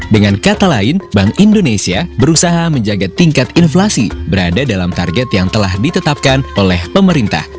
dengan kata lain bank indonesia berusaha menjaga tingkat inflasi berada dalam target yang telah ditetapkan oleh pemerintah